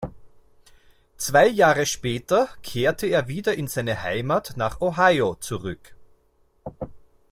Zwei Jahre später kehrte er wieder in seine Heimat nach Ohio zurück.